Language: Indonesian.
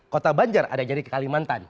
kota banjar ada jadi ke kalimantan